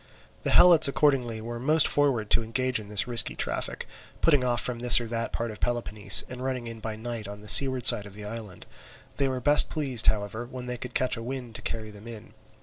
The Helots accordingly were most forward to engage in this risky traffic, putting off from this or that part of Peloponnese, and running in by night on the seaward side of the island. They were best pleased, however, when they could catch a wind to carry them in.